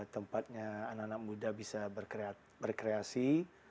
tempatnya anak anak muda bisa berkreasi